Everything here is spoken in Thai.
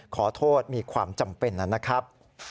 ขอโทษมีความจำเป็นนะครับ